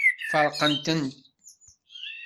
Feṛqent-ten.